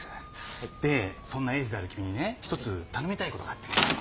でそんなエースである君にね一つ頼みたい事があってね。